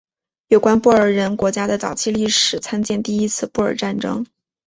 有关布尔人国家的早期历史参见第一次布尔战争。